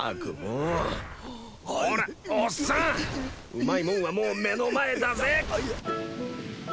うまいもんはもう目の前だぜ！